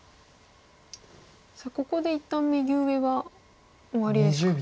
さあここで一旦右上は終わりですか。